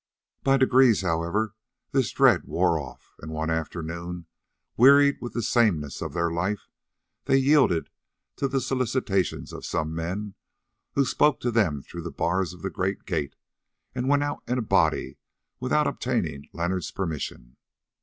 By degrees, however, this dread wore off, and one afternoon, wearied with the sameness of their life, they yielded to the solicitations of some men who spoke to them through the bars of the great gate, and went out in a body without obtaining Leonard's permission.